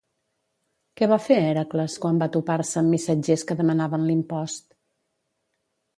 Què va fer Hèracles quan va topar-se amb missatgers que demanaven l'impost?